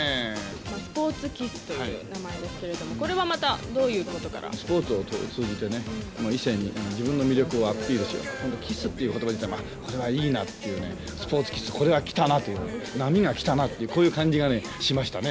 スポーツキッスという名前ですけれども、これはまたどういうスポーツを通じて、異性に自分の魅力をアピールしようと、キスっていうことば自体も、これはいいなっていう、スポーツキッス、これはきたなって、波がきたなっていう、こういう感じがね、しましたね。